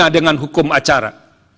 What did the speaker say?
dengan hukum acara